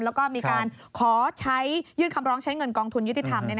แล้วก็มีการขอใช้ยื่นคำร้องใช้เงินกองทุนยุติธรรม